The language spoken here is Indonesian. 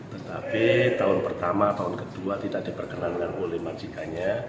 tetapi tahun pertama tahun kedua tidak diperkenankan oleh majikanya